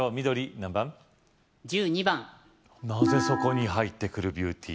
なぜそこに入ってくるビューティー